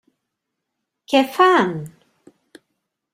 Què fan?